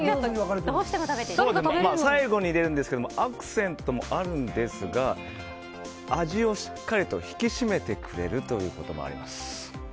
最後に入れるんですけどもアクセントもあるんですが味をしっかりと引き締めてくれるということもあります。